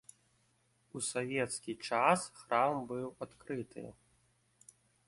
У савецкі час храм быў адкрыты.